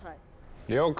了解！